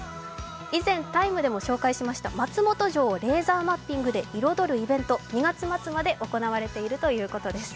以前、「ＴＨＥＴＩＭＥ，」でも紹介しました松本城をレーザーマップで彩るイベント、２月末まで行われているということです。